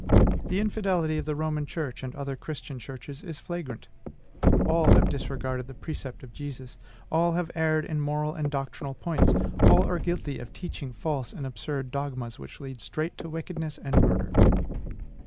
The infidelity of the Roman church and other Christian churches is flagrant; all have disregarded the precept of Jesus; all have erred in moral and doctrinal points; all are guilty of teaching false and absurd dogmas, which lead straight to wickedness and murder.